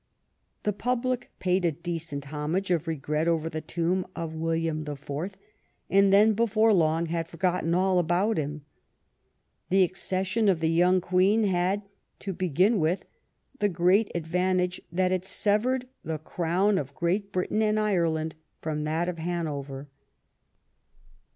The public paid a decent homage of regret over the tomb of William IV., and then before long had forgotten all about him. The accession of the young Queen had, to begin with, the great advantage that it severed the crown of Great Britain and Ireland from that of Hanover.